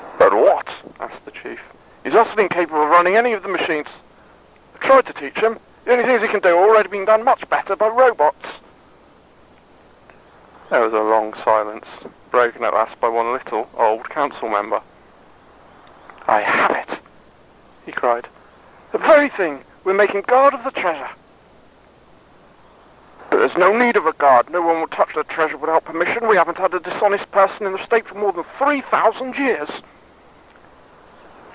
"But what?" asked the Chief. "He's utterly incapable of running any of the machines. I've tried to teach him. The only things he can do, are already being done much better by robots." There was a long silence, broken at last by one little, old council member. "I have it," he cried. "The very thing. We'll make him guard of the Treasure." "But there's no need of a guard. No one will touch the Treasure without permission. We haven't had a dishonest person in the State for more than three thousand years."